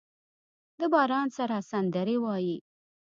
د باران سره سندرې وايي